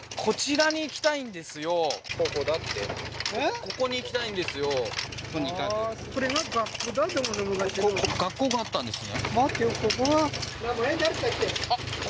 ここ学校があったんですね